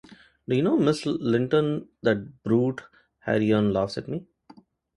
Do you know, Miss Linton, that brute Hareton laughs at me!